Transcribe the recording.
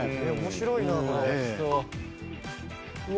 面白いな。